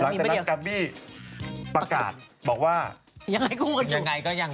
หลังจากนั้นกับมี่ประกาศบอกว่าอเรนนี่ไงกูก็ถูก